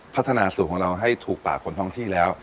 พัฒนาสูตรของเราให้ถูกปากคนท้องที่แล้ว